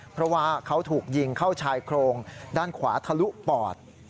เพราะว่าเขาถูกยิงเข้าชายโครงด้านขวาทะลุปอด